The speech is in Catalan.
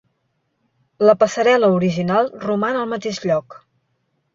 La passarel·la original roman al mateix lloc.